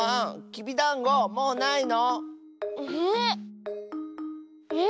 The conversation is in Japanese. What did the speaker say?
きびだんごもうないの？え。